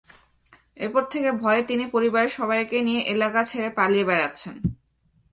এরপর থেকে ভয়ে তিনি পরিবারের সবাইকে নিয়ে এলাকা ছেড়ে পালিয়ে বেড়াচ্ছেন।